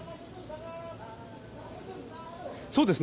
そうですね。